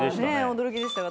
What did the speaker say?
驚きでしたが。